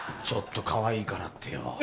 ちょっとかわいいからってよ。